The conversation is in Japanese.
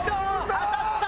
当たったぞ！